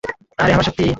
আর এ আমার শক্তি।